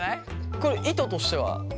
これ意図としては？